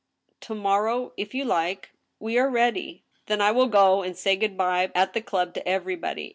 "" To morrow if you like ! We are ready." " Then I will go and say good by at the club to everybody."